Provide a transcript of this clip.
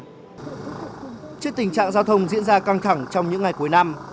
trước tình trạng giao thông diễn ra căng thẳng trong những ngày cuối năm